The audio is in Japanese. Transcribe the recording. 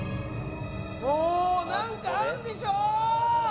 もうなんかあるんでしょ！